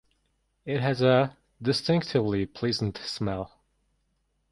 It has a distinctively pleasant smell.